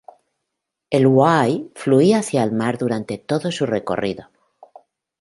El Huai fluía hacia el mar durante todo su recorrido.